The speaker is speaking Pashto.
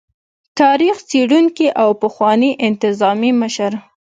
تاريخ څيړونکي او پخواني انتظامي مشر